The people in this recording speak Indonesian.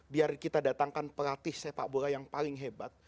biar kita datangkan pelatih sepak bola yang paling hebat